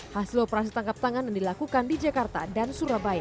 hasil operasi tangkap tangan yang dilakukan di jakarta dan surabaya